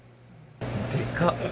でかっ。